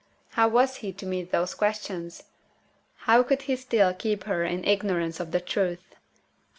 How was he to meet those questions? How could he still keep her in ignorance of the truth?